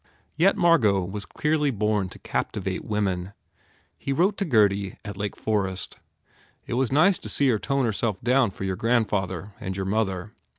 Yet Margot was clearly born to captivate women. He wrote to Gurdy at Lake Forest: "It was nice to see her tone herself down for your grandfather and your mother.